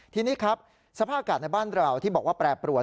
ทีนี้ครับสภาพอากาศในบ้านเราที่บอกว่าแปรปรวน